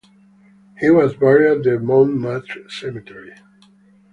He was buried at the Montmartre Cemetery.